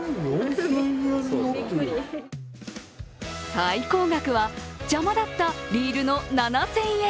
最高額は、邪魔だったリールの７０００円。